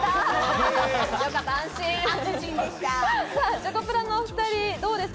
チョコプラのお２人どうですか？